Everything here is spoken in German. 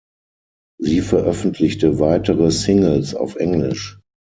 Sie veröffentlichte weitere Singles auf Englisch.